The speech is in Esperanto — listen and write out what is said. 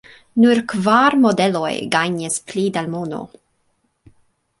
Nur kvar modeloj gajnis pli da mono.